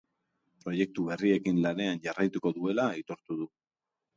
Proiektu berriekin lanean jarraituko duela aitortu du.